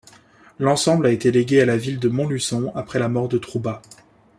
L'ensemble a été légué à la ville de Montluçon après la mort de Troubat.